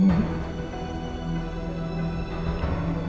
kamu jangan bawa al pergi